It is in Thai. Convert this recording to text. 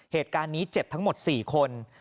เหตุการณ์นี้เจ็บทั้งหมด๔คน